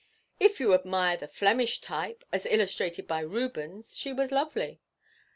'If you admire the Flemish type, as illustrated by Rubens, she was lovely.